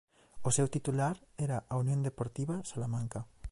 O seu titular era a Unión Deportiva Salamanca.